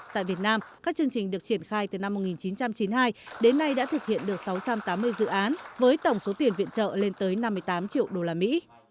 tại việt nam các chương trình được triển khai từ năm một nghìn chín trăm chín mươi hai đến nay đã thực hiện được sáu trăm tám mươi dự án với tổng số tiền viện trợ lên tới năm mươi tám triệu đô la mỹ